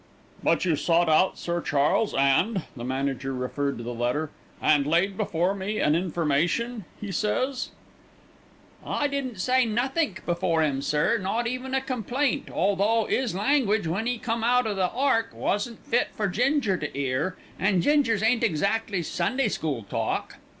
"But you sought out Sir Charles and" the manager referred to the letter "'and laid before me an information,' he says." "I didn't lay nothink before 'im, sir, not even a complaint, although 'is language when 'e come out o' the ark wasn't fit for Ginger to 'ear, an' Ginger's ain't exactly Sunday school talk."